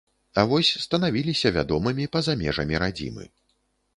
А вось станавіліся вядомымі па-за межамі радзімы.